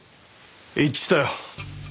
一致したよ。